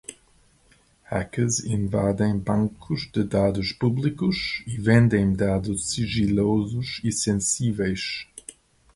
Hackers invadem bancos de dados públicos e vendem dados sigilosos e sensíveis